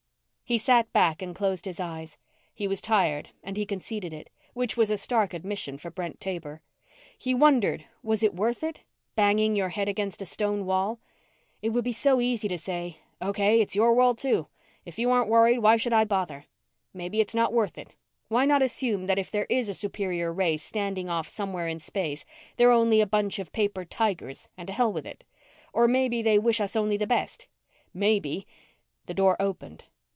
He sat back and closed his eyes. He was tired and he conceded it, which was a stark admission for Brent Taber. And he wondered: Was it worth it? Banging your head against a stone wall. It would be so easy to say, Okay, it's your world, too. If you aren't worried why should I bother? Maybe it's not worth it. Why not assume that if there is a superior race standing off somewhere in space, they're only a bunch of paper tigers and to hell with it. Or maybe they wish us only the best. Maybe The door opened.